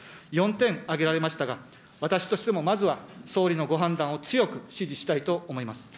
４点挙げられましたが、私としてもまずは、総理のご判断を強く支持したいと思います。